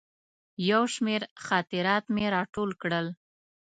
یو شمېر خاطرات مې راټول کړل.